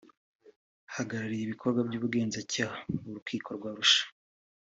uhagarariye ibikorwa by’Ubugenzacyaha mu Rukiko rwa Arusha